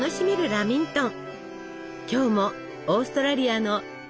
ラミントン。